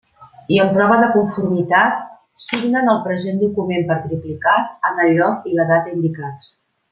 I en prova de conformitat, signen el present document, per triplicat, en el lloc i la data indicats.